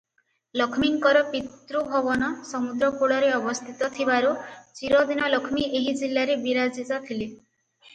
ଲକ୍ଷ୍ମୀଙ୍କର ପିତୃଭବନ ସମୁଦ୍ର କୂଳରେ ଅବସ୍ଥିତ ଥିବାରୁ ଚିରଦିନ ଲକ୍ଷ୍ମୀ ଏହି ଜିଲ୍ଲାରେ ବିରାଜିତା ଥିଲେ ।